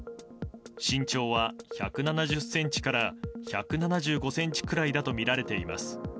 身長は１７０ｃｍから１７５ｃｍくらいだとみられています。